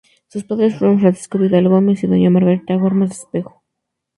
Sus padres fueron Francisco Vidal Gómez y Doña Margarita Gormaz Espejo.